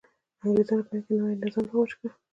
انګرېزانو په هند کې نوی نظام رواج کړ.